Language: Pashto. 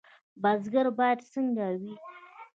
بزګر باید څنګه وي؟